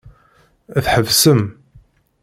Tḥebsem.